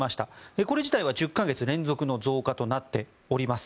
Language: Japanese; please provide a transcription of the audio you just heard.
これ自体は１０か月連続の増加となっております。